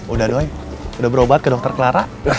udah dong udah berobat ke dokter clara